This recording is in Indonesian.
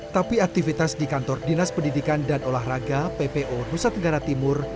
tapi aktivitas di kantor dinas pendidikan dan olahraga ppo nusa tenggara timur